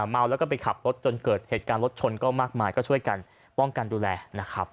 เมาแล้วก็ไปขับรถจนเกิดเหตุการณ์รถชนก็มากมายก็ช่วยกันป้องกันดูแลนะครับ